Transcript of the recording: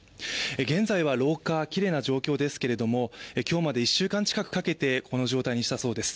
現在は廊下、きれいな状況ですけど今日まで１週間ほどかけて、この状態にしたそうです。